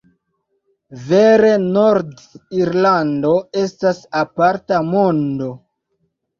Vere Nord-Irlando estas aparta mondo.